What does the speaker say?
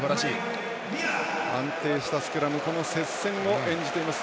安定したスクラムこの接戦を演じています。